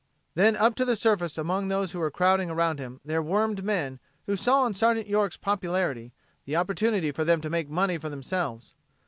Then up to the surface among those who were crowding around him there wormed men who saw in Sergeant York's popularity the opportunity for them to make money for themselves.